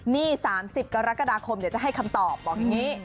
นี่๓๐กรกฎาคมเดี๋ยวจะให้คำตอบบอกอย่างนี้